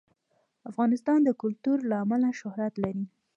افغانستان د کلتور له امله شهرت لري.